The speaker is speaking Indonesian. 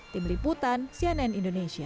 tim liputan cnn indonesia